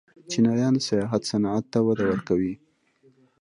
چینایان د سیاحت صنعت ته وده ورکوي.